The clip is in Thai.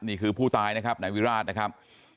ผู้ตายนะครับนายวิราชนะครับ